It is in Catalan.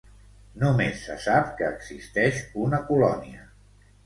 Només se sap que existeix una colònia.